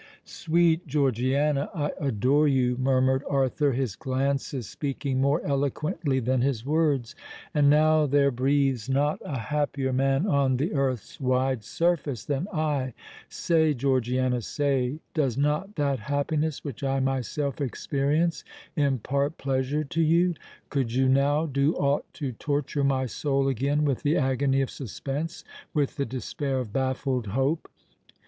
"Sweet Georgiana, I adore you!" murmured Arthur, his glances speaking more eloquently than his words. "And now there breathes not a happier man on the earth's wide surface than I. Say, Georgiana—say, does not that happiness which I myself experience impart pleasure to you? Could you now do aught to torture my soul again with the agony of suspense—with the despair of baffled hope?